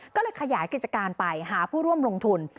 ก็เลยขยายกิจการไปหาผู้ร่วมลงทุน